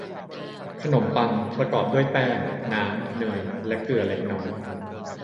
ขนมปัง ประกอบด้วยแป้ง น้ำ เนย และเกลือเล็กน้อย